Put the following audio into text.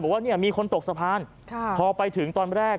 บอกว่าเนี่ยมีคนตกสะพานพอไปถึงตอนแรก